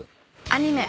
アニメ